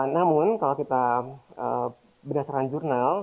namun kalau kita berdasarkan jurnal